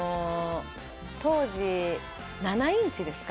当時７インチですか？